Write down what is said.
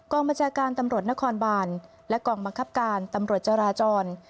บัญชาการตำรวจนครบานและกองบังคับการตำรวจจราจร